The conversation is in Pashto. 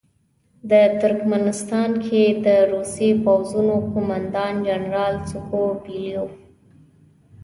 د ترکمنستان کې د روسي پوځونو قوماندان جنرال سکو بیلوف.